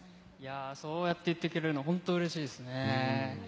そうやって言ってくれるのは本当にうれしいですね。